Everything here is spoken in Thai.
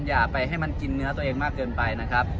อย่าไปให้มันกินเนื้อตัวเองมากเกินไปนะครับ